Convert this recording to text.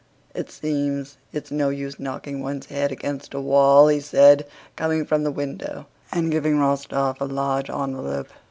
"It seems it's no use knocking one's head against a wall!" he said, coming from the window and giving Rostóv a large envelope.